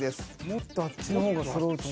もっとあっちの方がそろうと思う。